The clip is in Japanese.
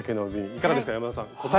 いかがですか山田さん答えは？